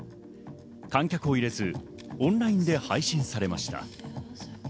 観客を入れずオンラインで配信されました。